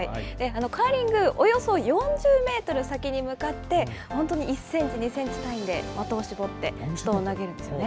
カーリング、およそ４０メートル先に向かって、本当に１センチ、２センチ単位で的を絞ってストーンを投げるんですよね。